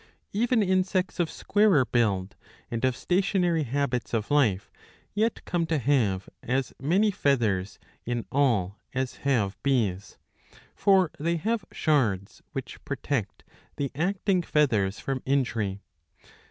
* Even insects of squarer build and of stationary habits of life yet come to have as many feathers in all as have bees ; for they have shards, which protect the acting feathers from injury.